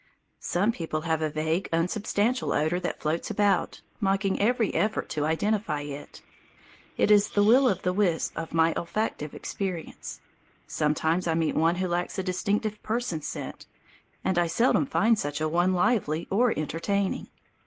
Some people have a vague, unsubstantial odour that floats about, mocking every effort to identify it. It is the will o' the wisp of my olfactive experience. Sometimes I meet one who lacks a distinctive person scent, and I seldom find such a one lively or entertaining.